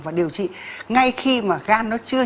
và điều trị ngay khi mà gan nó chưa